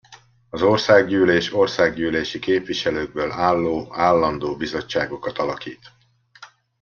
Az Országgyűlés országgyűlési képviselőkből álló állandó bizottságokat alakít.